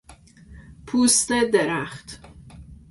پوست درخت